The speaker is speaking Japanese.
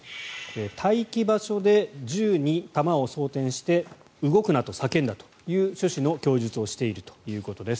待機場所で銃に弾を装てんして動くなと叫んだという趣旨の供述をしているということです。